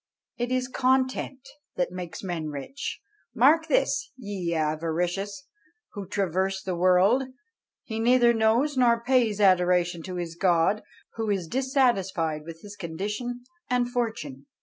It is content that makes men rich; Mark this, ye avaricious, who traverse the world: He neither knows nor pays adoration to his God Who is dissatisfied with his condition and fortune."